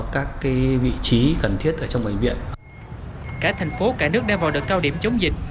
các vị trí cần thiết ở trong bệnh viện cả thành phố cả nước đang vào đợt cao điểm chống dịch